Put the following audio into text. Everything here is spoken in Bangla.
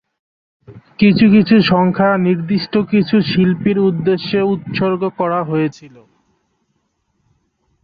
কিছু কিছু সংখ্যা নির্দিষ্ট কিছু শিল্পীর উদ্দেশ্যে উৎসর্গ করা হয়েছিলো।